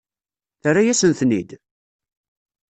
Terra-yasen-ten-id?